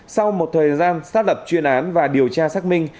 sau một thời gian xác lập chuyên án và điều tra xác minh